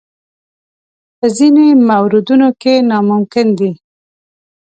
په ځینو موردونو کې ناممکن دي.